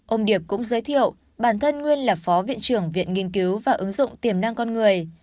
ông điệp cũng giới thiệu bản thân nguyên là phó viện trưởng viện nghiên cứu và ứng dụng tiềm năng con người